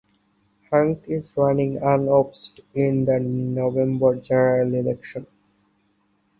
Hanks is running unopposed in the November general election.